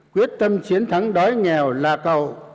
quyết tâm chiến thắng đói nghèo lạ cầu